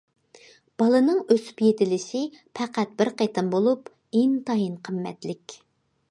بالىنىڭ ئۆسۈپ يېتىلىشى پەقەت بىر قېتىم بولۇپ، ئىنتايىن قىممەتلىك.